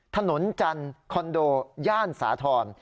ถนนจันทร์คอนโดย่านสาธรณ์